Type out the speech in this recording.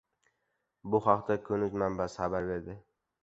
Bu haqda Kun.uz manbasi xabar berdi.